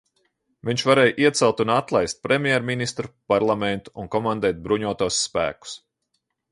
Viņš varēja iecelt un atlaist premjerministru, parlamentu un komandēt bruņotos spēkus.